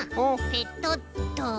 ペトッと。